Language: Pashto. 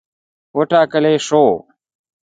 وټاکلي سي.